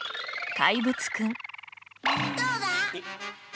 「怪物くん」。